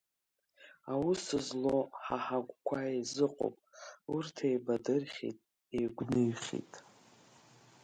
Аус злоу ҳа ҳагәқәа еизыҟоуп, урҭ еибадырхьеит, еигәныҩхьеит.